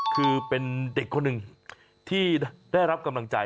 คือเป็นเด็กคนหนึ่งที่ได้รับกำลังใจ